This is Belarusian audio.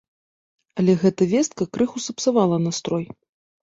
Але гэта вестка крыху сапсавала настрой.